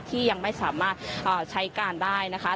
ที่ยังไม่สามารถใช้การได้นะคะ